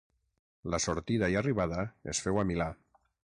La sortida i arribada es féu a Milà.